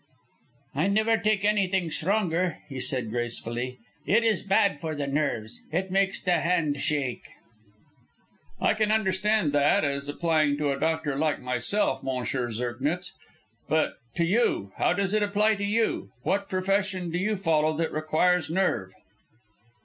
"I never take anything stronger," he said gracefully. "It is bad for the nerves; it makes the hand shake." "I can understand that as applying to a doctor like myself, M. Zirknitz, but to you how does it apply to you? What profession do you follow that requires nerve?"